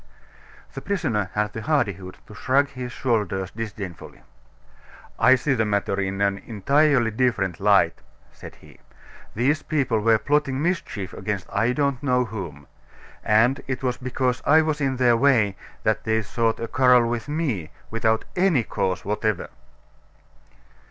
The prisoner had the hardihood to shrug his shoulders disdainfully. "I see the matter in an entirely different light," said he. "These people were plotting mischief against I don't know whom and it was because I was in their way that they sought a quarrel with me, without any cause whatever."